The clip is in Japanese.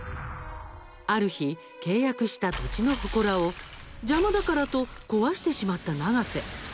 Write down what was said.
ある日、契約した土地のほこらを邪魔だからと壊してしまった永瀬。